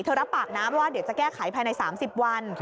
รับปากนะว่าเดี๋ยวจะแก้ไขภายใน๓๐วัน